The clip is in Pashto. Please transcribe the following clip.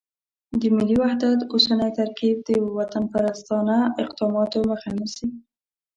د ملي وحدت اوسنی ترکیب د وطنپرستانه اقداماتو مخه نیسي.